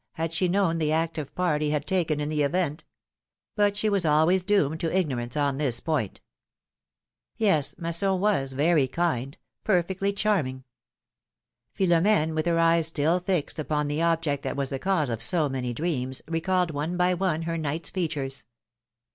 had she known the active part he had taken in the event? But she was always doomed to ignorance on this point. Yes, Masson was very kind — perfectly charming! Philom^ne, wuth her eyes still fixed upon the object that was the cause of so many dreams, recalled one by one her knight's features.